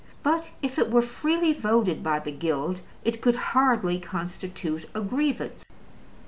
But if it were freely voted by the Guild, it could hardly constitute a grievance.